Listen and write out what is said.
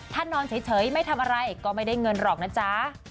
ถ้านอนเฉยไม่ทำอะไรก็ไม่ได้เงินหรอกนะจ๊ะ